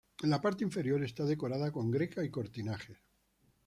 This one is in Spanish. La parte inferior está decorada con greca y cortinajes.